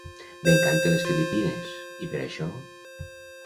M'encanten les Filipines, i per això...